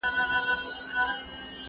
کېدای شي زه سبا درس ولولم!